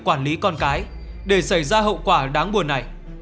quản lý con cái để xảy ra hậu quả đáng buồn này